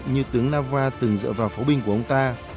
như tướng nava từng dựa vào pháo binh của ông ta